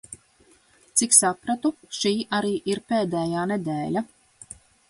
Cik sapratu šī arī ir pēdējā nedēļa.